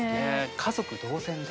家族同然で。